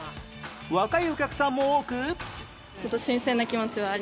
若いお客さんも多く